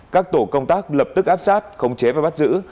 các tổ công tác lập tức áp sát khống chế và bắt giữ